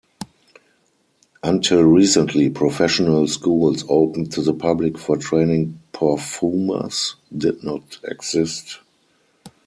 Until recently, professional schools open to the public for training perfumers did not exist.